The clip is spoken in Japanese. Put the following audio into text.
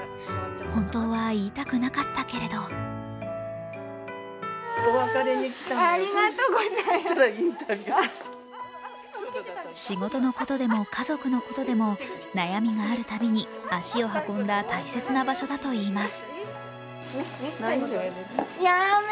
本当は言いたくなかったけれど仕事のことでも、家族のことでも悩みがある度に足を運んだ大切な場所だといいます。